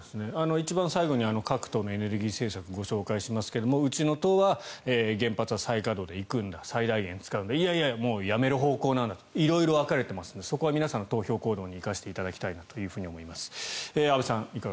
一番最後に各党のエネルギー政策をご紹介しますがうちの党は原発は再稼働で行くんだ最大限使うんだいやいやもうやめる方向なんだと色々分かれていますのでそこは皆さんの投票行動に生かしていただきたいと思います。